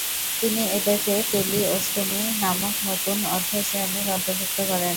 তিনি এদেরকে টেলিওস্টোমি নামক নতুন অধঃশ্রেণীর অন্তর্ভুক্ত করেন।